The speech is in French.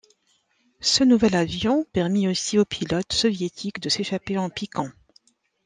Ce nouvel avion permit aussi aux pilotes soviétiques de s'échapper en piquant.